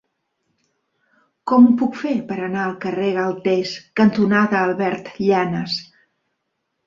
Com ho puc fer per anar al carrer Galtés cantonada Albert Llanas?